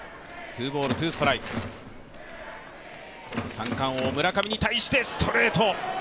三冠王・村上に対してストレート。